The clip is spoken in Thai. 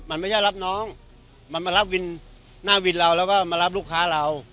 มันไม่ใช่รับน้องมันมารับวินหน้าวินเราแล้วก็มารับลูกค้าเรา